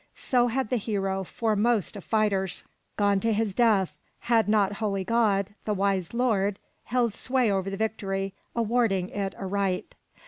So had the hero, foremost of fighters, gone to his death, had not Holy God, the Wise Lord, held sway over the victory, awarding it aright.